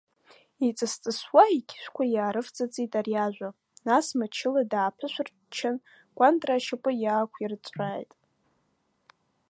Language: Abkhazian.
Иҵыс-ҵысуа иқьышәқәа иаарывҵыҵит ари ажәа, нас мчыла дааԥышәырччан, Кәантра ашьапы иаақәирҵәрааит.